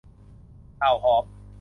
เต่าหอม